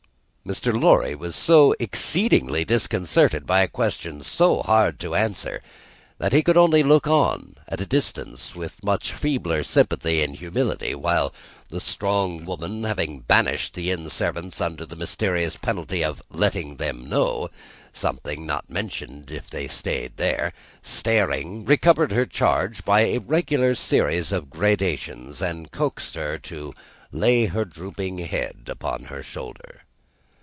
Mr. Lorry was so exceedingly disconcerted by a question so hard to answer, that he could only look on, at a distance, with much feebler sympathy and humility, while the strong woman, having banished the inn servants under the mysterious penalty of "letting them know" something not mentioned if they stayed there, staring, recovered her charge by a regular series of gradations, and coaxed her to lay her drooping head upon her shoulder.